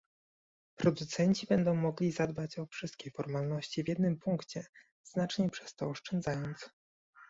Producenci będą mogli zadbać o wszystkie formalności w jednym punkcie, znacznie przez to oszczędzając